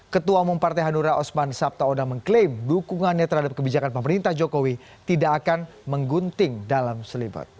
ketua umum partai hanura osman sabtaodang mengklaim dukungannya terhadap kebijakan pemerintah jokowi tidak akan menggunting dalam seliput